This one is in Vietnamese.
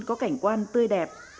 có cảnh quan tươi đẹp